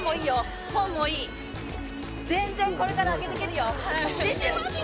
全然これから上げていけるよ。